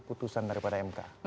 putusan dari pada mk